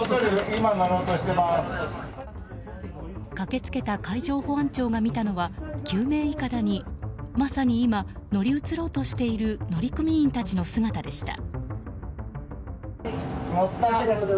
駆けつけた海上保安庁が見たのは救命いかだにまさに今、乗り移ろうとしている乗組員たちの姿でした。